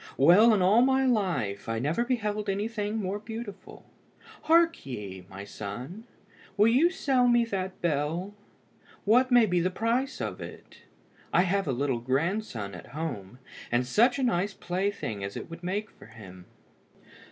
Well, in all my life, I never beheld anything more beautiful. Hark ye, my son, will you sell me that bell? What may be the price of it? I have a little grandson at home, and such a nice plaything as it would make for him!"